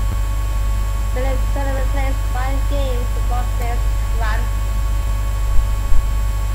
Many tournament players find games with more players cramped.